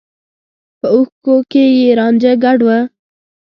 په اوښکو کې يې رانجه ګډ و.